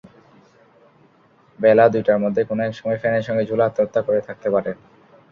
বেলা দুইটার মধ্যে কোনো একসময় ফ্যানের সঙ্গে ঝুলে আত্মহত্যা করে থাকতে পারেন।